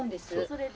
それで。